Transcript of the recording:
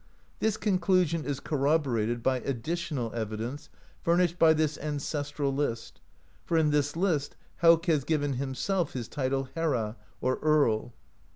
This conclusion is corroborated by addi tional evidence furnished by this ancestral list, for in this list Hauk has given himself his title "herra," (earl).